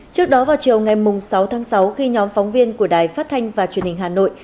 trước đó vào chiều ngày sáu tháng sáu khi nhóm phóng viên của đài phát thanh và truyền hình hà nội